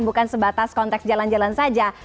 bukan sebatas konteks jalan jalan saja